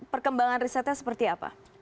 perkembangan risetnya seperti apa